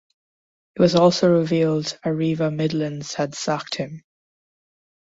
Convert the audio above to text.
It was also revealed Arriva Midlands had sacked him.